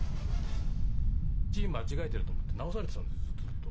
字間違えてると思って直されてたんですずっと。